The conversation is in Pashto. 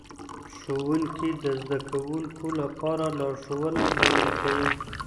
ښوونکي د زدهکوونکو لپاره لارښوونه وړاندی کوي.